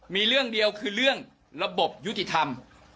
มีเรื่องเดียวคือเรื่องระบบยุติธรรม